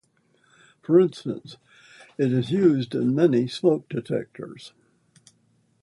For instance it is used in many smoke detectors.